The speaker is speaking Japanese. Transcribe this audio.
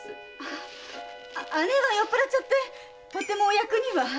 義姉は酔っぱらっちゃってとてもお役には。